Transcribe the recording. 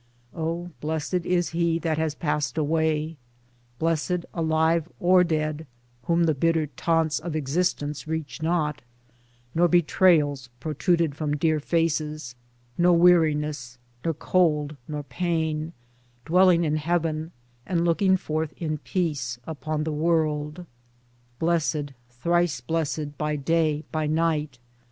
[O Blessed is he that has passed away] Blessed, alive or dead, whom the bitter taunts of exist ence reach not — nor betrayals protruded from dear faces, ' nor weariness nor cold nor pain — dwelling in heaven, and looking forth in peace upon the world. Blessed, thrice blessed, by day, by night